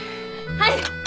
はい。